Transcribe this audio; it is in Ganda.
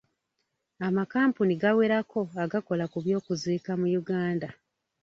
Amakampuni gawerako agakola ku by'okuziika mu Uganda.